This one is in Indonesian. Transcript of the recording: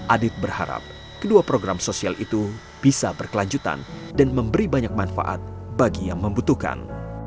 adit berharap kedua program sosial itu bisa berkelanjutan dan memberi banyak manfaat bagi yang membutuhkan